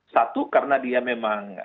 satu karena dia memang